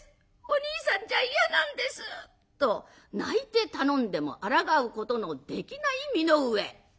お兄さんじゃ嫌なんです」と泣いて頼んでもあらがうことのできない身の上。